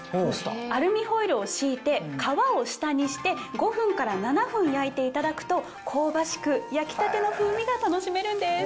アルミホイルを敷いて皮を下にして５分から７分焼いていただくと香ばしく焼きたての風味が楽しめるんです。